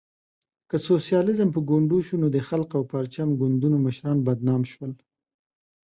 که سوسیالیزم په ګونډو شو، نو د خلق او پرچم ګوندونو مشران بدنام شول.